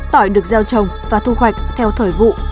tỏi được gieo trồng và thu hoạch theo thời vụ